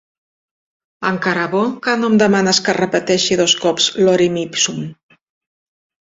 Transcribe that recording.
Encara bo que no em demanes que repeteixi dos cops “Lorem Ipsum”.